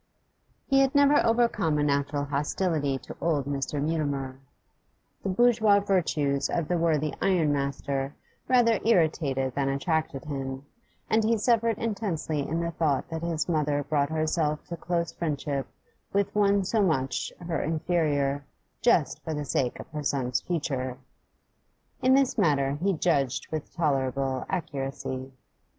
He had never overcome a natural hostility to old Mr. Mutimer: the bourgeois virtues of the worthy ironmaster rather irritated than attracted him, and he suffered intensely in the thought that his mother brought herself to close friendship with one so much her inferior just for the sake of her son's future. In this matter he judged with tolerable accuracy.